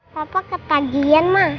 papa ketagihan ma